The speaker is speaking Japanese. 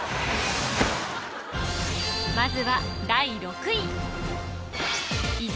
まずは第６位伊沢